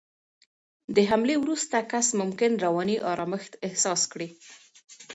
د حملې وروسته کس ممکن رواني آرامښت احساس کړي.